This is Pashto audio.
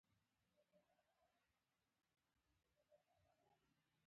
انا د ادب ښوونې نه ستړي کېږي